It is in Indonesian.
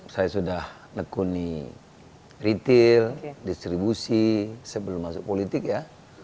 saya sudah nekuni retail distribusi sebelum masuk politik ya